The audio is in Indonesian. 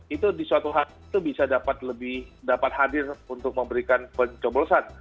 itu di suatu hal itu bisa dapat lebih dapat hadir untuk memberikan pencoblosan